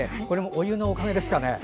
お湯のおかげですかね。